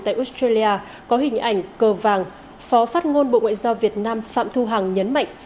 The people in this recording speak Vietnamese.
tại australia có hình ảnh cờ vàng phó phát ngôn bộ ngoại giao việt nam phạm thu hằng nhấn mạnh